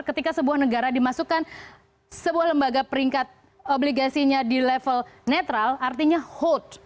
ketika sebuah negara dimasukkan sebuah lembaga peringkat obligasinya di level netral artinya hold